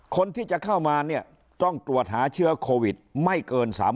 คนที่จะเข้ามาเนี่ยต้องตรวจหาเชื้อโควิดไม่เกิน๓๐